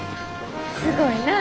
すごいなぁ。